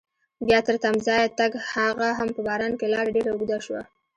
بیا تر تمځایه تګ هغه هم په باران کې لاره ډېره اوږده شوه.